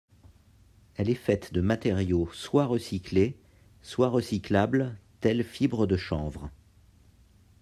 Elle est faite de matériaux soit recyclés, soit recyclables tels fibres de chanvre.